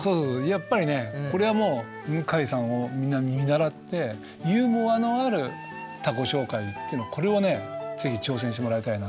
やっぱりねこれはもう向井さんをみんな見習ってユーモアのある他己紹介っていうのをこれをね是非挑戦してもらいたいなっていうふうに。